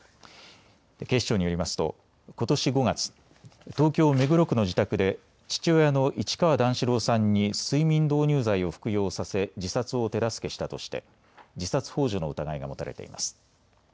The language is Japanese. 警視庁によりますとことし５月、東京目黒区の自宅で父親の市川段四郎さんに睡眠導入剤を服用させ自殺を手助けしたとして自殺ほう助の疑いが持たれています。